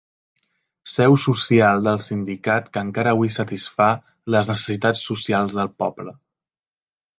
Seu social del sindicat que encara avui satisfà les necessitats socials del poble.